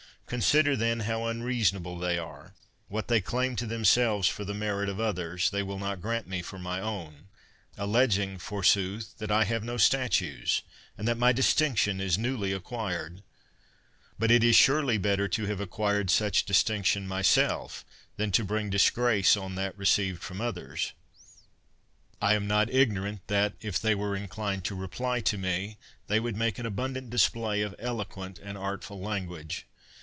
Consider, then, how unrea sonable they are; what they claim to themselves for the merit of others, they will not grant to me for my own, alleging, forsooth, that I have no statues, and that my distinction is newly ac quired; but it is surely better to have acquired such distinction myself than to bring disgrace on that received from others. I am not ignorant that, if they were inclined to reply to me, they would make an abundant display of eloquent and artful language.